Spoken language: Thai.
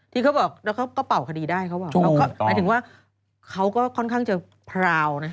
ที่เค้าบอกแล้วก็เป่าคดีได้เค้าบอกหมายถึงว่าเค้าก็ค่อนข้างจะพราวนะ